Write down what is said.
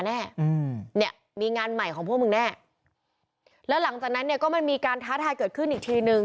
แล้วสุดท้ายแบบนี้